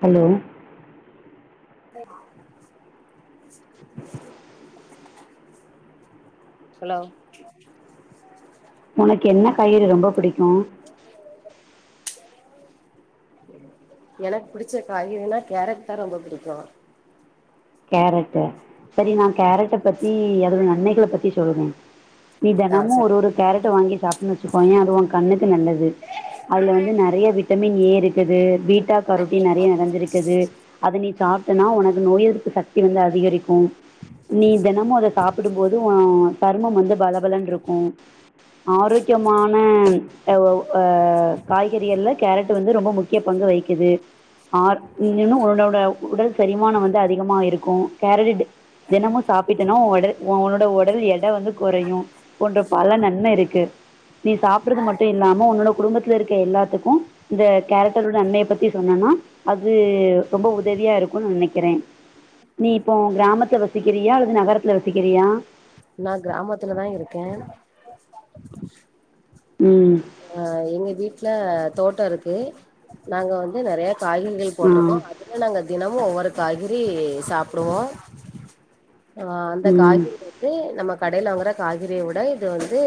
Hello இதைப் [inaudible] hello உனக்கு என்ன பயிறு ரொம்ப புடிக்கோ என் எனக் பிடிச்ச காய்கறினா கேரட் தா ரொம்ப புடிக்கோ கேரட்டு செரி நா கேரட்ட பத்தி அதோட நன்மைகள பத்தி சொல்றே நீ ஆ தெனமுக்ஷமூ சொல் ஒரு ஒரு கேரட்டு வாங்கி சாப்பிட்னோ வச்சிக் குவோயே அது உ கண்ணுக்கு நல்லது அதில வந்து நறய விட்டமின் ஏ இருக்குது பீட்டா கரோட்டின் நெறைய நிறஞ்சிருக்குது அத நீ கரோட்டின் நறைய நறஞ்சிருக்குது அத் நீ சாப்ட்டனா உனக்கு நோய் எதிர்ப்பு சக்தி வந்து அதிகரிக்கும் நீ தெனமூ அத சாப்பிடும் போது உ சருமம் வந்து பலபலன்ருக்கோ ஆரோக்கியமான எ வவு அ காய்கறிகள்ல கேரட் வந்து ரொம்ப முக்கிய பங்கு வகிக்கிது ஆர் இன்னு உட உட உடல் செரிமானோ வந்து அதிகமா இருக்கு கேரரட்டு தெனமு சாப்பிட்டனோ ஒ ஒடல் ஒ ஒன்னோட ஒடல் எட வந்து கொறையு போன்ற பல நன்மை இருக்கு நீ சாப்பிடுறது மட்டு இல்லாம ஒன்னோட குடும்பத்துல இருக்க எல்லாத்துக்கு இந்த கேரட்டோட நன்மைய பத்தி சொன்னோன்னா அது ரொம்ப உதவியா இருக்குன் நா நெனைக்கிறே நீ இப்போ கிராமத்து வசிக்கிறியா அல்லது நகரத்துல வசிக்கிறியா நா கிராமத்துலதா இருக்கே ம் அ எங்க வீட்ல தோட்டோ இருக்கு நாங்க வந்து நெறைய காய்கறிகள் ஆ போட்ருக்கோ அதுல நாங்க தினமு ஒவ்வொரு காய்கறி சாப்புடுவோ அ அந்த ம் காய்கறி றி நம்ம கடேல வாங்கற காய்கறிய விட இது வந்து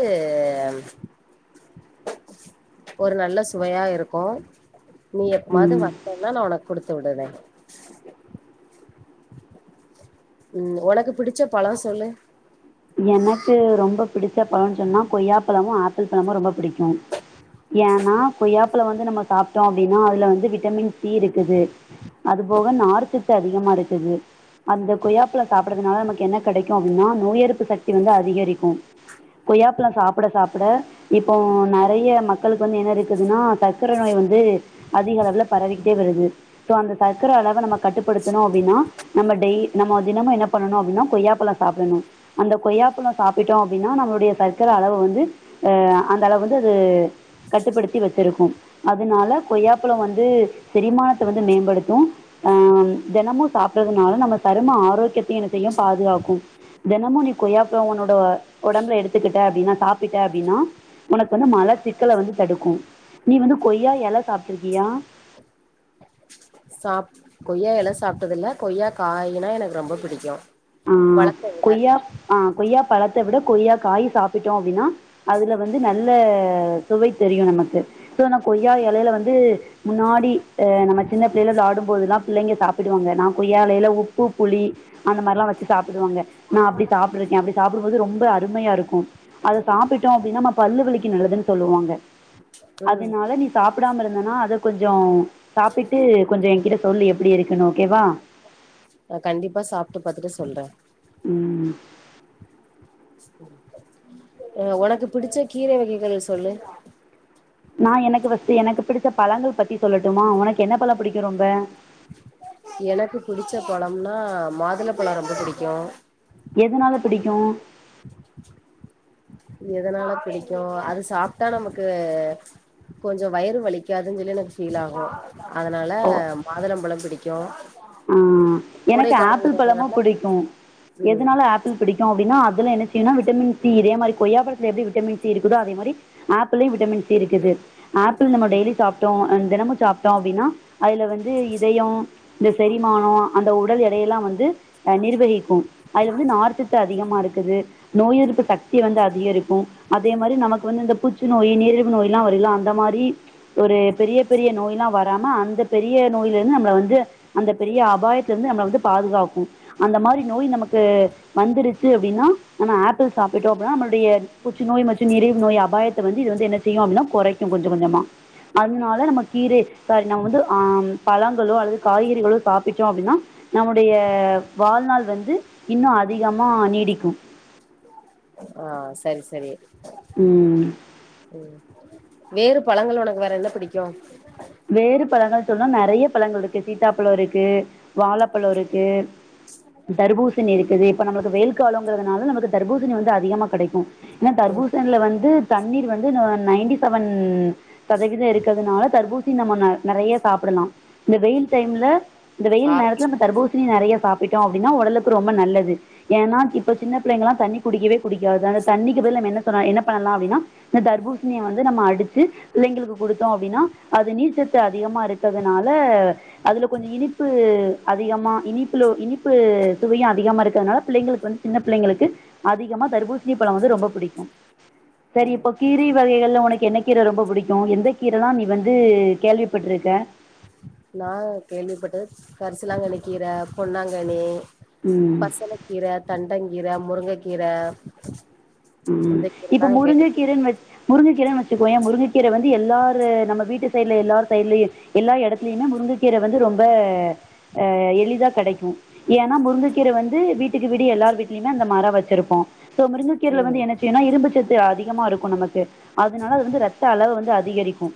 ஒரு நல்ல சுவையா இருக்கு நீ எப்பமாது ம். வந்தேனா நா ஒனக்கு குடுத்து விடுறே ம் ஒனக்கு புடிச்ச பழோ சொல்லு எனக்கு ரொம்ப புடிச்ச பழோனு சொன்னா கொய்யா பழமு ஆப்பிள் பழமு ரொம்ப புடிக்கு ஏனா கொய்யாப்பழோ வந்து நம்ம சாப்ட்டோ அப்டினா அதுல வந்து விட்டமின் சி இருக்குது அது போக நார் சத்து அதிகமா இருக்குது அந்த கொய்யாப்பழ சாப்பிடுறதுனால நமக்கு என்ன கெடைக்கு அப்டினா நோய் எதிர்ப்பு சக்தி வந்து அதிகரிக்கு கொய்யாப்பழ சாப்ட சாப்ட இப்போ நெறைய மக்களுக்கு வந்து என்ன இருக்குதுன்னா சக்கர நோய் வந்து அதிக அளவுல பரவிக்கிட்டே வருது சோ அந்த சக்கர அளவ நம்ம கட்டுப்படுத்தணு அப்டின்னா நம்ம டெய் நம்ம தினமு என்ன பண்ணனு அப்டின்னா கொய்யாப்பழ சாப்பிடணு அந்த கொய்யாப்பழோ சாப்பிட்டோ அப்டின்னா நம்மளுடைய சக்கர அளவு வந்து எ அந்த அளவு வந்து அது கட்டுப்படுத்தி வச்சிருக்கு அதனால கொய்யாப்பழ வந்து செரிமானத்த வந்து மேம்படுத்து அ தெனமு சாப்படுறதுனால நம்ம சரும ஆரோக்கியத்தையு என்ன செய்யு பாதுகாக்கு தெனமு நீ கொய்யாப்பழோ உன்னோட ஒடம்புல எடுத்துக்கிட்ட அப்டின்னா சாப்பிட்ட அப்டின்னா உனக்கு வந்து மல சிக்கல வந்து தடுக்கு நீ வந்து கொய்யா எல சாப்ட்ருக்கியா சாப் கொய்யா எல சாப்ட்டது இல்ல கொய்யா காயினா எனக்கு ரொம்ப பிடிக்கு அ பழத்த விட கொய்யா அ கொய்யா பழத்த விட கொய்யா காய் சாப்பிட்டோ அப்டின்னா அதுல வந்து நல்ல சுவை தெரியு நமக்கு சோ நா கொய்யா எலேல வந்து முன்னாடி அ நம்ம சின்ன பிள்ளைள வெளாடு போதுல்லா பிள்ளைங்க சாப்பிடுவாங்க நா கொய்யா எலேல உப்பு புளி அந்த மாரிலா வச்சி சாப்பிடுவாங்க நா அப்டி சாப்பிரு இருக்கே அப்டி சாப்டுபோது ரொம்ப அருமையா இருக்கு அத சாப்பிட்டோ அப்டின்னா நம்ம பல்லு வலிக்கு நல்லதுன்னு சொல்லுவாங்க ம் அதனால நீ சாப்டாம இருந்தனா அத கொஞ்சோ சாப்பிட்டு கொஞ்சோ என்கிட்ட சொல்லு எப்டி இருக்கணு ஓக்கேவா நா கண்டிப்பா சாப்ட்டு பாத்துட்டு சொல்றே ம் அ ஒனக்கு புடிச்ச கீர வகைகள சொல்லு நா எனக்கு ஃபஸ்ட்டு எனக்கு பிடிச்ச பழங்கள் பத்தி சொல்லட்டுமா ஒனக்கு என்ன பழ பிடிக்கு ரொம்ப எனக்கு புடிச்ச பழம்னா மாதுளப்பழ ரொம்ப புடிக்கு எதுனால பிடிக்கு எதனால பிடிக்கு அது சாப்ட்டா நமக்கு கொஞ்சோ வயிறு வலிக்காதுன்னு சொல்லி எனக்கு ஃபீல் ஆகு அதனால மாதுளம்பழம் பிடிக்கு ம் கோடை எனக்கு ஆப்பிள் பழமு காலங்கிறதுனால பிடிக்கு ம் எதனால ஆப் பிள் பிடிக்கு அப்டின்னா அதுல என்ன விஸ்யோனா விட்டமின் சி இதே மாரி கொய்யப்பழத்தில எப்டி விட்டமின் சி இருக்குதோ அதே மாரி ஆப்பிளையு விட்டமின் சி இருக்குது ஆப்பிள் நம்ம டெய்லி சாப்ட்டோ அ தெனமு சாப்ட்டோ அப்டின்னா அதுல வந்து இதயோ இந்த செரிமானோ அந்த உடல் எடையெல்லா வந்து அ நிர்வரிக்கு அதுல வந்து நார்ச்சத்து அதிமா இருக்குது நோய் எதிர்ப்பு சக்தி வந்து அதிகரிக்கு அதே மாரி நமக்கு வந்து இந்த பூச்சி நோய் நீரிழிவு நோய்ல்லா வருல அ ந்த மாரி ஒரு பெரிய பெரிய நோய்ல்லா வராம அந்த பெரிய நோயிலெந்து நம்ள வந்து அந்த பெரிய அபாயத்தலிந்து நம்மள வந்து பாதுகாக்கு அந்த மாரி நோய் நமக்கு வந்துடுச்சு அப்டின்னா நம்ம ஆப்பிள் சாப்பிட்டோ அப்பின நம்மளுடய புற்றுநோய் மற்றும் நீரிழ்வு நோய் அபயாத்த வந்து இந்து வந்து என்ன செய்யு அப்டின்னா கொறைக்கு கொஞ்சோ கொஞ்சமா அதனால நம்ம கீர சாரி நம்ம வந்து ஆம் பழங்களோ அல்லது காய்க றிகளோ சாப்பிட்டோ அப்டின்னா நம்முடய வாழ்நாள் வந்து இன்னு அதிகமா நீடிக்கு ஆ சரி சரி ம். ம் வேறு பழங்கள் உனக்கு வேற என்ன பிடிக்கு வேறு பழங்கள் சொன்னா நெறய பழங்கள் இருக்கு சீத்தாப்பழோ இருக்கு வாழப்பழோ இருக்கு தர்பூசணி இருக்குது இப்ப நம்மளுக்கு வெயில் காலோங்குறதுனால நமக்கு தர்பூசணி வந்து அதிகமா கெடைக்கு ஏனா ம் தர்பூசண்ல வந்து தண்ணீர் வந்து ந நைன்டி சவன் சதவீத இருக்கற்துனால தர்பூ ஸ்ணி நம்ம நர் நெறைய சாப்படலா இந்த வெயில் டைம்ல இந்த வெயில் நேரத்தில ஆரஞ்சு நம்ம தர்ப்பூ சிணி நெறய சாப்பிட்டோ அப்டின்னா உடலக்கு ரொம்ப நல்லது ஏன்னா இப்ப சின்ன பிள்ளங்களா தண்ணி குடிக்கிவே குடிக்காது அந்த தண்ணிக்கு பதிலா நம்ம என்ன சொன்னா என்ன பண்ணலா அப்டினா இந்த தர்பூசணிய வந்து நம்ம அடிச்சு பிள்ளைங்களுக்கு குடுத்தோ அப்டினா அது நீர்ச்சத்து அதிகமா இருக்கிற்துனால அதுல கொஞ்சோ இனிப்பு அதிகமா இனிப்புல இனிப்பு சுவயு அதிகமா இருக்கிறனால பிள்ளைங்களுக் வந் சின்ன பிள்ளைங்களுக்கு அதிகமா தர்பூசணி பழோ வந்து ரொம்போ புடிக்கு செரி இப்போ கீரை வகைகள்ல உனக்கு என்ன கீர ரொம்போ புடிக்கு எந்த கீரல்லா நீ வந்து கேள்விப்பட்டுருக்க நா கேள்விப்பட்டது கரசிலாங்கனி கீர பொன்னாங்கனி ம் பசலக்கீர தண்டங்கீர முருங்ககீர ம் இப்போ முருங்கக்கீரன் வெச் முருங்கக்கீரன் வெச்சுக்கோயே முருங்கக்கீர வந்து எல்லாரு நம்ம வீட்டு சைட்ல எல்லாரு சைட்லயு எல்லா எடத்துலியுமே முருங்கக்கீர வந்து ரொம்ப ஆ எளிதா கெடைக்கு ஏனா முருங்கக்கீர வந்து வீட்டுக்கு வீடு எல்லார் வீட்லியுமே அந்த மரோ வெச்சிருப்போ சோ முருங்கக் கீர வந்து ம் என்ன செய்யுனா இரும்புச்சத்து அதிகமா இருக்கு நமக்கு அதனால அது வந்து ரத்த அளவு வந்து அதிகரிக்கு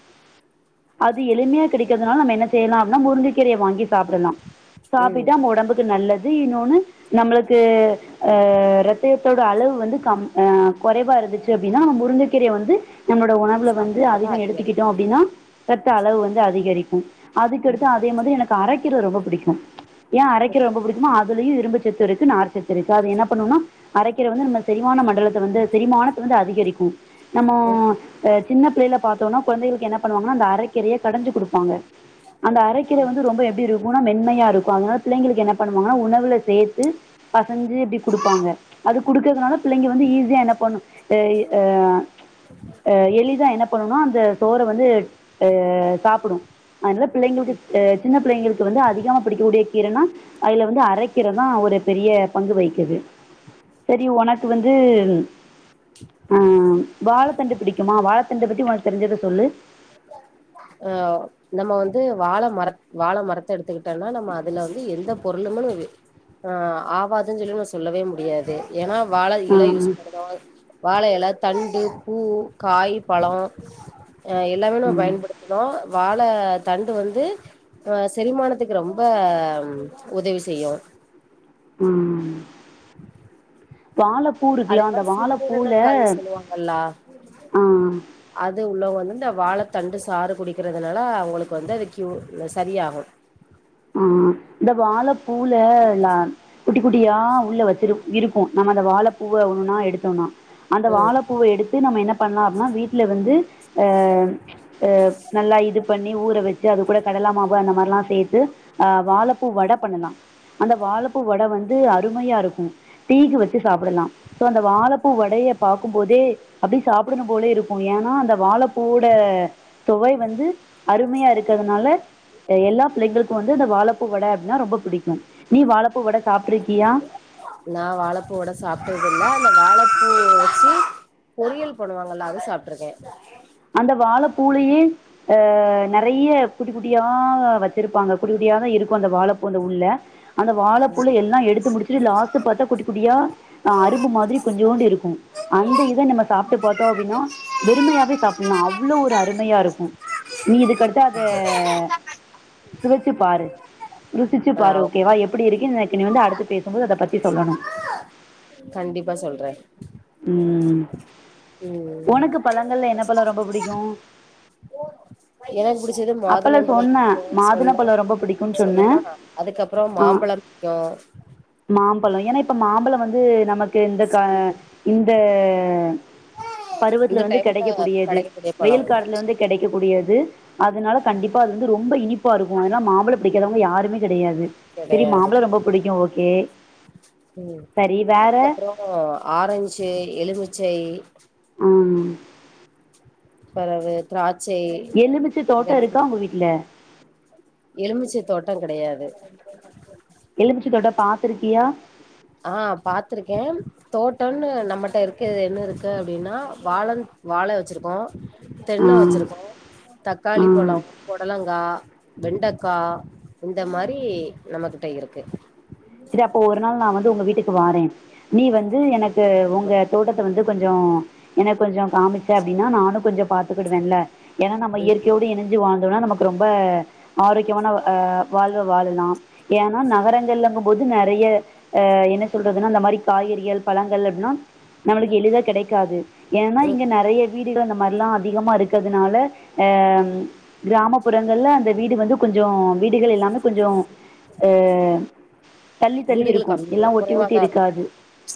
அது எளிமையா கெடைக்கிற்துனால நம்ம என்ன செய்யலா அப்னா முருங்கக்கீரய வாங்கி சாப்டலா ம் சாப்பிட்டு அந்த உடம்புக் கு நல்லது இன்னொனு நம்மளுக்கு அ ரத்தயத்தோட அளவு வந்து சம் ஆ கொறைவா இருந்துச்சு அப்டின்னா முருங்கக்கீரைய வந்து நம்ளோட உண வுல வந்து சாப்பிடுறதுனால அதிகோ எடுத்துக்கிட்டோ அதிகரிக்கு அப்டின்னா ரத்த அளவு வந்து அதிகரிக்கு அதுக்கடுத்து ம் அதே மாதிரி எனக் அரக்கீர ரொம்ப புடிக்கு ஏ அரக்கீர ரொம்ப புடிக்குனா அதுலியு இரும்ப சத்து இருக்கு நார் சத்து இருக்கு அது என்ன பண்ணுனா அரக்கீர வந்து நம்ம செரிமான மண்டலத்த வந்து செரிமானத்த வந்து அதிகரிக்கு நம்மோ ம் சின்ன பிள்ளைல பாத்தோம்னா குளந்தைகளுக்கு என்ன பண்ணுவாங்கன்னா அந்த அரக்கீரைய கடஞ்சு குடுப்பாங்க அந்த அரக்கீர வந்து ரொம்ப எப்டி இருக்கும்னா மென்மையா இருக்கு அதனால பிள்ளைங்களுக்கு என்ன பண்ணுவாங்கன்னா உணவுல சேத்து பசஞ்சி இப்டி குடுப்பாங்க ம்ச் அது குடுக்கறதுனால பிள்ளைங்க வந்து ஈஸியா என்ன பண்ணும் ஏ யி ஆ ஆ எலிதா என்ன பண்ணுனா அந்த சோற வந்து ட்டு சாப்புடு அனால பிள்ளைங்களுக்கு சின்ன பிள்ளைங்களுக்கு வந்து அதிகமா பிடிக்கக்கூடிய கீரனா அதுல வந்து அரைக்கீரதா ஒரு பெரிய பங்கு வைக்குது செரி உனக்கு வந்து ஆ வாழைத்தண்டு பிடிக்குமா வாழைத்தண்டு பத்தி உனக்கு தெரிஞ்சத சொல்லு ஆ நம்ம வந்து வாழ மரத் வாழ மரத்த எடுத்துக்கிட்டோம்னா நம்ம அதுல வந்து எந்த பொருளுமனு ஆ ஆவாதுன்னு சொல்லி நம்ம சொல்லவே முடியாது ஏன்னா வாழ ஆ இலை யூஸ் பண்ணுதோ வாழயில தண்டு பூ காய் பழ ஆ எல்லாமே நம்ம ம் பயன்படுத்த தோ வாழ தண்டு வந்து ஆ செரிமானத்துக்கு ரொம்ப உதவி செய்யு ம் வாழப்பூர் அதே மாரி சிறுநீரக கல் சொல்லுவாங்கல்லா ஆ அது உள்ளவங்க வந்து இந்த வாழ தண்டு சாறு குடிக்கிறதுனால அவங்களுக்கு வந்து அது கியூ செரியாகு ம் ம் இந்த வாழப்பூல்ல இல்ல குட்டி குட்டியா உள்ள வச்சிரு இருக்கு நம்ம அந்த வாழ பூவ ஒன்னு ஒன்னா எடுத்தோம்னா அந்த வாழப்பூவ எடுத்து நம்ம என்ன பண்ணலா அப்டின்னா வீட்டுல வந்து ஆ அ நல்லா இது பண்ணி ஊற வச்சு அது கூட கடல மாவு அந்த மாரில்லா சேத்து ஆ வாழப்பூ வட பண்ணலா அந்த வாழப்பூ வட வந்து அருமையா இருக்கு டீக்கு வச்சு சாப்புடலா சோ அந்த வாழப்பூ வடையை பாக்குபோதே அப்டியே சாப்பிடணு போல இருக்கு ஏன்னா அந்த வாழப்பூவோட சுவை வந்து அருமையா இருக்குறதுனால எல்லா பிள்ளைங்களுக்கு வந்து இந்த வாழப்பூ வட அப்டின்னா ரொம்ப புடிக்கு நீ வாழப்பூ வட சாப்ட்டுருக்கயா நான் வாழப்பூ வட சாப்டதுல்ல ஆனா வாழப்பூ வச்சு பொரியல் பண்ணுவாங்கல்ல அது சாப்டுருக்கே அந்த வாழ பூலையே ஆ நெறைய குட்டி குட்டியா வச்சிருப்பாங்க குட்டிக்குட்டியா இரு வந்த வாழப்பூ அந்த உள்ள அந்த வாழப்பூள்ள எல்லா எடுத்து முடிச்சு யிது லாஸ்ட் பாத்தா குட்டி குட்டியா அரும்பு மாதிரி கொஞ்சோண்டு இருக்கு அந்த இத நம்ம சாப்டு பாத்தோ அப்டின்னா வெறுமையாவே சாப் நா அவ்ளோ ஒரு அருமையா இருக்கு நீ இதுக்கடுத்து அத சுவைச்சி பாரு ருசிச்சி ஆ பாரு ஓகே வா எப்டி இருக்குனு எனக் இனி வந்து அடுத்து பேசும்போது அத பத்தி சொல்லணு கண்டிப்பா சொல்றே ம் ம் பழங்கள் என்ன பழம் ரொம்ப புடிக்கு எனக்கு புடிச்சது மாதுள பழம் சொன்னேன் புடிக்கு சொன்ன மாதுளம்பழம் ரொம்ப பிடிக்கும்னு சொன்னேன் சொன்னனா அதுக்கப்புறோ ஆ மாம்பழம் புடிக்கு மாம்பழம் ஏன்னா இப்ப மாம்பழம் வந்து நமக்கு இந்த கா புடிக்கு இந்த இந்த பருவத்துல வந்து டைம்ல கெடைக்கக்கூடியது கெடைக்கக்கூடிய பழோ வெயில் காலத்துல வந்து கெடைக்கக்கூடியது அதனால கண்டிப்பா அது வந்து ரொம்ப இனிப்பா இருக்கு அதனால மாம்பழ பிடிக்காதவுங்க யாருமே கிடையாது செரி கெடையாது மாம்பழ ரொம்ப பிடிக்கு ஓகே ம் சரி வேறு அதுக்கப்புரோ ஆரஞ்சு எலுமிச்சை ம் பெறவு திராட்சை எலுமிச்ச தோட்ட இதெல்லா இருக்கா உங்க புடிக்கு வீட்ல எலுமிச்சை தோட்டங் கெடையாது எலுமிச்ச தோட்டோ பாத்திருக்கியா ஆ பாத்திருக்கே தோட்டன்னு நம்மட்ட இருக்கது என்ன இருக்கு அப்டின்னா வாழன் வாழ வச்சிருக்கோ ஆ தென்ன வச்சிருக்கோ தக்காளி ஆ பலோ புடலங் கா வெண்டகா இந்த மாரி நம்மக்கிட்ட இருக்கு சரி அப்போ ஒரு நாள் நா வந்து உங்க வீட்டுக்கு வாறே நீ வந்து எனக்கு கண்டிப்பா உங்க தோட்டத் வந்து கொஞ்சோ எனக்கு கொஞ்சோ காமிச்ச அப்பிடின்னா நானு கொஞ்சோ பாத்துக்கிடுவேல ஏன்னா நம்ப ம் இயற்கையோடு இனஞ்சி வாழ்ந்தோனா நமக்கு ரொம்ப ஆரோக்கியமான அ வாழ்வ வாழுலா ஏன்னா நகரங்கள்லங்க போது நெறைய அ என்ன சொல்றதுன்னா அந்த மாரி காய்கறிகள் பழங்கள் அப்டின்னா நம்மளுக்கு எளிதா கெடைக்காது ஏன்னா இங்க ம் நெறைய வீடுக இந்த மாரிலா அதிகமா இருக்குறதுனால அ கிராமப்புறங்கள்ல அந்த வீடு வந்து கொஞ்சோ வீடுகள் இல்லாம கொஞ்சோ அ தள்ளி தள்ளி வீடுகள் இருக்கு எல்லா கம்மியா ஒட்டி ஒட்டி குறைவாதா இருக்கு இருக்காது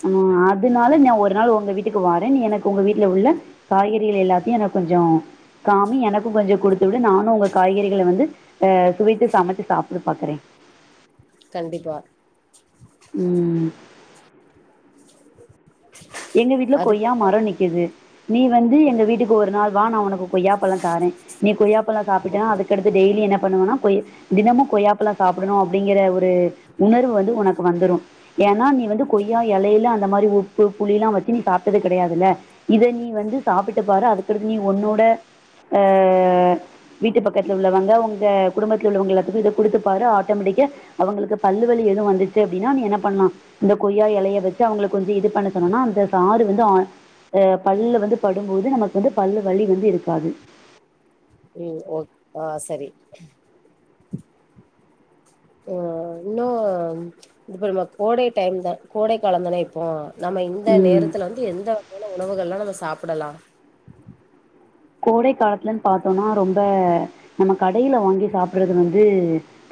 ஆ அதுனால நா ஒரு நாள் உங்க வீட்டுக்கு வாறே நீ எனக்கு உங்க வீட்டுல உள்ள காய்கறிகள் எல்லாத்தையு எனக்கு கொஞ்சோ காமி எனக்கு கொஞ்சோ குடுத்து விடு நானு உங்க காய்கறிகள வந்து ஆ சுவைத்து சமைச்சு சாப்புடு பாக்குறே கண்டிப்பா ம் எங்க வீட்டுல கொய்யா அதுக்கப்றோ மர நிக்குது நீ வந்து எங்க வீட்டுக்கு ஒரு நாள் வா நா ஒனக்கு கொய்யா பழ தாறே நீ கொய்யாப்பழ சாப்பிட்டனா ஓகே ஓகே அதுக்கடுத்து டெய்லி என்ன பண்ணுவனா கொய் தினமு கொய்யப்பழ சாப்புடணு அப்பிடிங்குற ஒரு ஒரு உணர்வு வந்து ஒனக்கு வந்துரு ஏன்னா நீ வந்து கொய்யா எலையில அந்த மாரி உப்பு புளி எல்லா வச்சு நீ சாப்ட்டது கெடையாதுல்ல இத நீ வந்து சாப்பிட்டு பாரு அதுக்கடுத்து நீ ஒன்னோட ஆ வீட்டு பக்கத்துல உள்ளவங்க உங்க குடும்பத்துல உள்ளவங்க எல்லாத்துக்கு இத குடுத்து பாரு ஆட்டோமெட்டிக்கா அவங்களுக்கு பல்லு வலி எது வந்துச்சு அப்டின்னா நீ என்ன பண்லா இந்த கொய்யா எலைய வச்சு அவங்ளுக்கு கொஞ்சோ இது பண்ண சொ சொன்னோனா அந்த சாறு வந்து அ பல்ல வந்து படும்போது நமக்கு வந்து பல்லு வலி வந்து இருக்காது ம் ஓ ஆ சரி ஆ இன்னு இதுப்ப நம்ம கோடை டைம் தா கோடை கால தானே இப்போ நம்ம இந்த ம் நேரத்துல வந்து எந்த வகையான உணவுகள் எல்லா நம்ம சாப்பிடலா கோடை காலத்துலன்னு பாத்தோனா ரொம்ப நம்ம கடையில வாங்கி சாப்டுறது வந்து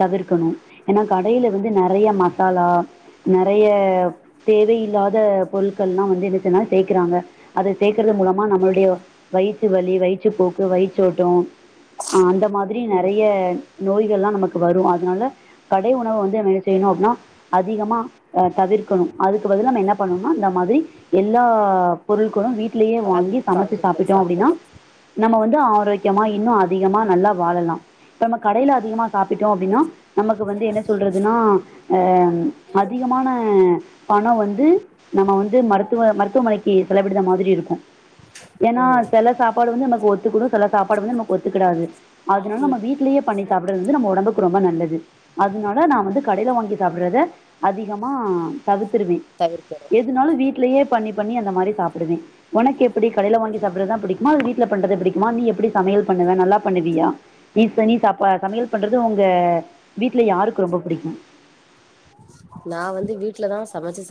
தவிர்க்கணு ஏன்னா கடையில வந்து நெறைய மசா சாலா நெறைய தேவையில்லாத பொருட்கள் எல்லா வந்து என்னச்சுன்னா சேக்குறாங்க அத சேக்குறது மூலமா நம்மளுடைய வயிற் நெஞ்சு வலி வயிற்றுப்போக்கு வயிற்ச்சோட்ட ஹ அந்த மாரி நெறைய நோய்களா நமக்கு வரு அதனால கடை உணவு வந்து ந என்ன செய்யுணு அப்டின்னா அதிகமா அ தவிர்க்கணு அதுக்கு பதிலா நம்ம என்ன பண்ணோனா இந்த மாதிரி எல்லா பொருட்களு வீட்டிலேயே வாங்கி பழங்கள் சமச்சு காய்கறிகள் சாப்பிட்டோ அப்டின்னா [inaudible] நம்ம வந்து ஆரோக்கியமா இன்னு அதிகமா நல்லா வாழலா இப்ப நம்ம கடையில அதிகமா சாப்பிட்டோ அப்டின்னா நமக்கு வந்து என்ன சொல்றதுன்னா அ அதிகமான பணோ வந்து நம்ம வந்து மருத்துவ மருத்துவமனைக்கு செலவிடுத மாதிரி இருக்கு ஏன்னா ம் செல சாப் பாடு வந்து நமக்கு ஒத்துக்குடு செல சாப்பாடு வந்து நமக்கு ஒத்துக்குடாது அதனால நம்ம ம் வீட்லயே பண்ணி சாப்பிடறது வந்து நம்ம ஒடம்புக்கு ரொம்ப நல்லது அதுனால நா வந்து கடைல வாங்கி சாப்டுறத அதிகமா தவித்திருவே தவிர்க்கனு எதுனாலு வீட்லயே பண்ணி பண்ணி அந்த மாரி சாப்பிடுவே உனக்கு எப்டி கடையில வாங்கி சாப்றதா பிடிக் அம்மா வீட்ல பண்றத பிடிக்குமா நீ எப்டி சமையல் பண்ணுவ நல்லா பண்ணுவியா நீ சனி சாப்பா சமையல் பண்றது உங்க வீட்ல யாருக்கு ரொம்ப புடிக்கு நா வந்து வீட்லதா சமச்சு சா